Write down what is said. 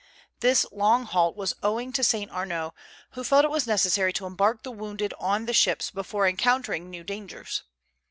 This long halt was owing to Saint Arnaud, who felt it was necessary to embark the wounded on the ships before encountering new dangers.